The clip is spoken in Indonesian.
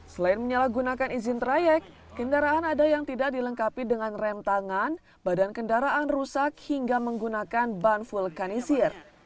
selain menyalahgunakan izin trayek kendaraan ada yang tidak dilengkapi dengan rem tangan badan kendaraan rusak hingga menggunakan ban vulkanisir